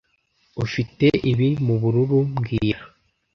Ufite ibi mubururu mbwira